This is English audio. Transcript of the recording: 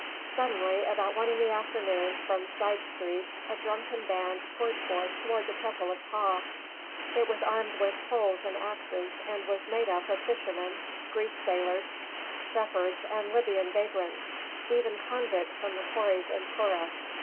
Suddenly, about one in the afternoon, from side streets a drunken band poured forth toward the temple of Ptah; it was armed with poles and axes and was made up of fishermen, Greek sailors, shepherds, and Libyan vagrants, even convicts from the quarries in Turra.